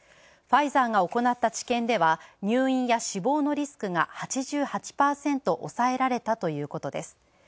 ファイザーが行った治験では入院や死亡のリスクが８８％抑えられたということです。